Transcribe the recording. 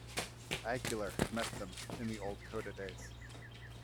Aguilar had met them in the old Coda days.